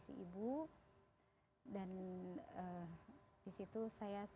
saya hari ini benar benar sedih tadi pagi saya pun jadi narasumber membahas tentang konflik